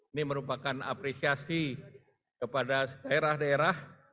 ini merupakan apresiasi kepada daerah daerah